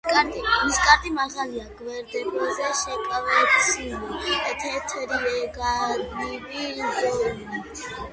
ნისკარტი მაღალია, გვერდებზე შეკვეცილი, თეთრი განივი ზოლით.